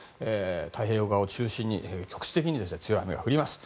太平洋側を中心に局地的に強い雨が降ります。